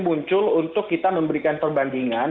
muncul untuk kita memberikan perbandingan